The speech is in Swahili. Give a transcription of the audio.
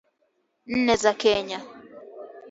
nne za Kenya